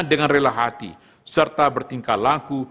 dengan rela hati serta bertingkat laku